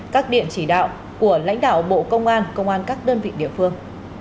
các điện chỉ đạo của lãnh đạo bộ công an công an các đơn vị địa phương